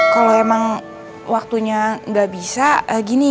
kalau emang waktunya nggak bisa gini